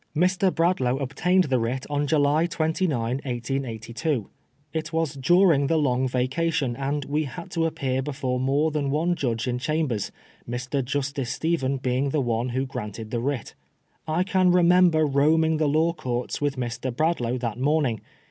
Mr. Bradlaugh obtained the writ on July 29, 1882. It was during the long vacation, and we had to appear before more than one judge in chambers, Mr. Justice Stephen being the one who granted the writ. I remember roaming the Law Courts with Mr. Bradlaugh that morning.